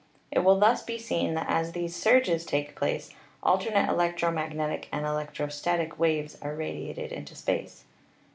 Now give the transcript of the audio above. It will thus be seen that as these surges take place alternate electromagnetic and electrostatic waves are radiated into space.